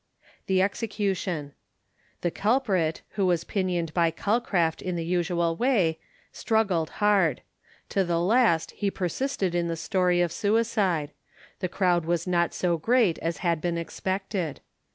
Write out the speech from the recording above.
THE EXECUTION. The culprit, who was pinioned by Calcraft in the usual way, struggled hard. To the last he persisted in the story of suicide. The crowd was not so great as had been expected.